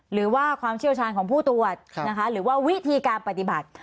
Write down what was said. หรือว่าความเชี่ยวชาญของผู้ตรวจนะคะหรือว่าวิธีการปฏิบัติ